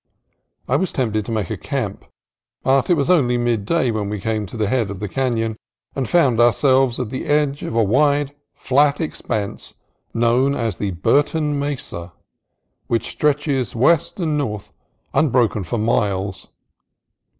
I was tempted to make a camp, but it was only midday when we came to the head of the canon, and found ourselves at the edge of a wide, flat expanse known as the Burton Mesa, which stretches west and north unbroken for miles.